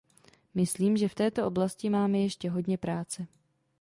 Myslím, že v této oblasti máme ještě hodně práce.